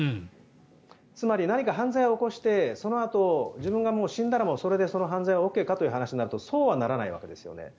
つまり何か犯罪を起こしてそのあと自分が死んだらその犯罪はＯＫかという話かというとそうではないわけですね。